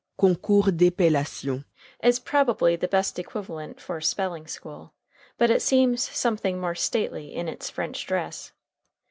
"Concours d'epellation" is probably the best equivalent for "spelling school," but it seems something more stately in its French dress.